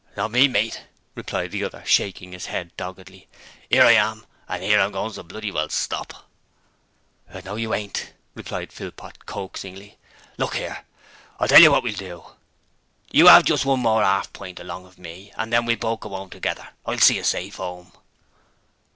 'Not me, mate,' replied the other, shaking his head doggedly. ''Ere I am, and 'ere I'm goin' to bloody well stop.' 'No, you ain't,' replied Philpot coaxingly. ''Look 'ere. I'll tell you wot we'll do. You 'ave just one more 'arf pint along of me, and then we'll both go 'ome together. I'll see you safe 'ome.'